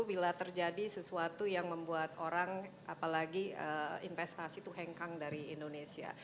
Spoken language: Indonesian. bila terjadi sesuatu yang membuat orang apalagi investasi itu hengkang dari indonesia